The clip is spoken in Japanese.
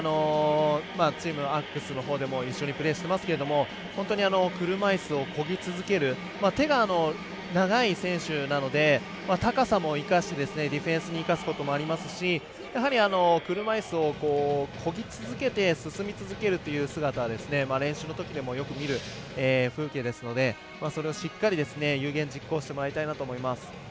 チームのほうでも一緒にプレーしていますけれども車いすをこぎ続ける手が長い選手なので高さもディフェンスに生かすことがありますし車いすをこぎ続けて進み続けるというのは練習のときでもよく見る風景ですのでそれをしっかり有言実行してもらいたいなと思います。